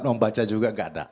mau baca juga enggak ada